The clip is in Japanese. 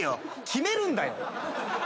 決めるんだよ！